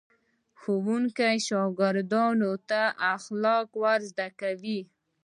ښوونکي شاګردانو ته اخلاق ور زده کوي.